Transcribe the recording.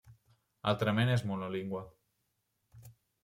Altrament és monolingüe.